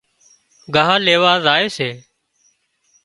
ڳاهَه ليوا زائي سي